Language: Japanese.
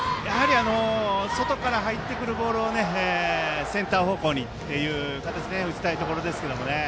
外から入ってくるボールをセンター方向に打ちたいところですけどね。